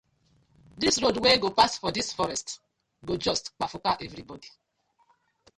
Dis road wey go pass for dis forest go just kpafuka everybodi.